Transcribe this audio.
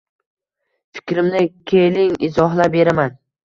Fikrimni keeling izohlab beraman.